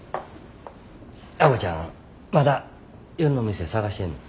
亜子ちゃんまだ夜の店探してんの？